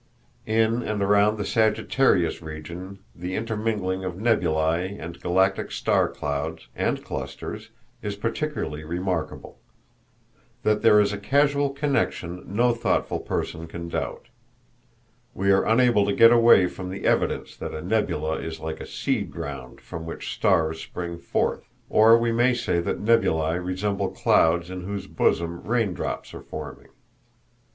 In and around the Sagittarius region the intermingling of nebulæ and galactic star clouds and clusters is particularly remarkable. That there is a causal connection no thoughtful person can doubt. We are unable to get away from the evidence that a nebula is like a seed ground from which stars spring forth; or we may say that nebulæ resemble clouds in whose bosom raindrops are forming.